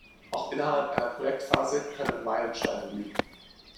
Auch innerhalb einer Projektphase können Meilensteine liegen.